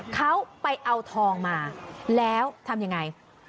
เขาไปเอาทองมาแล้วทำยังไง